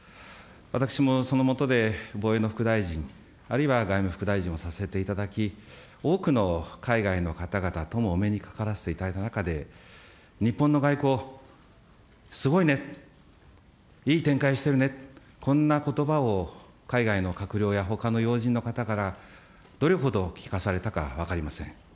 私もそのもとで、防衛の副大臣、あるいは外務副大臣をさせていただき、多くの海外の方々ともお目にかからせていただいた中で、日本の外交、すごいね、いい展開してるね、こんなことばを海外の閣僚やほかの要人の方からどれほど聞かされたか分かりません。